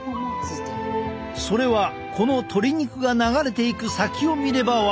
それはこの鶏肉が流れていく先を見ればわかる。